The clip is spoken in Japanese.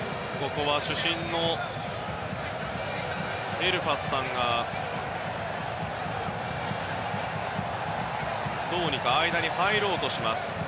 ここは主審のエルファスさんがどうにか間に入ろうとします。